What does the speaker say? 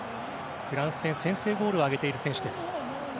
フランス戦で先制ゴールを挙げている選手。